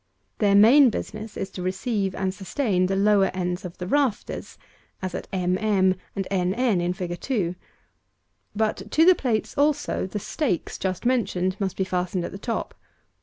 Their main business is to receive and sustain the lower ends of the rafters, as at m m and n n in FIG. 2. But to the plates also the stakes just mentioned must be fastened at top.